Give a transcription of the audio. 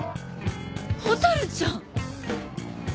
蛍ちゃん。